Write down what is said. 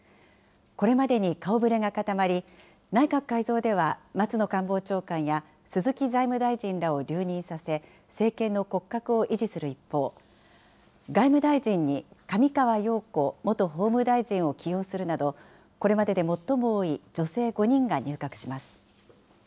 これまでに顔ぶれが固まり、内閣改造では松野官房長官や鈴木財務大臣らを留任させ、政権の骨格を維持する一方、外務大臣に上川陽子元法務大臣を起用するなど、これまでで最も多い女性５人が入閣します。